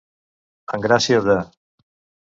En gràcia de.